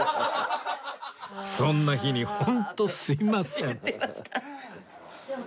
そんな日にホントすいません